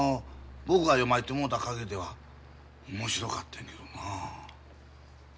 僕が読まいてもうた限りでは面白かってんけどなあ。